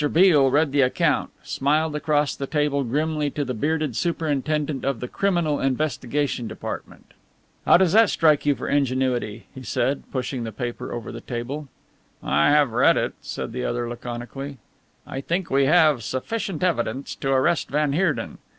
Beale read the account, smiled across the table grimly to the bearded superintendent of the Criminal Investigation Department. "How does that strike you for ingenuity?" he said, pushing the paper over the table. "I have read it," said the other laconically, "I think we have sufficient evidence to arrest van Heerden.